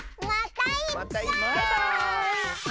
バイバーイ！